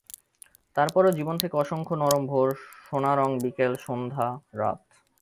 তার পরও জীবনে থাকে অসংখ্য নরম ভোর, সোনারং বিকেল, সন্ধ্যা, রাত।